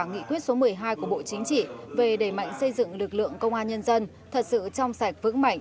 nghị quyết số một mươi hai của bộ chính trị về đẩy mạnh xây dựng lực lượng công an nhân dân thật sự trong sạch vững mạnh